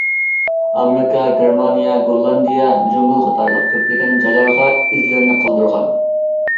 ئامېرىكا، گېرمانىيە، گوللاندىيە، جۇڭگو قاتارلىق كۆپلىگەن جايلارغا ئىزلىرىنى قالدۇرغان.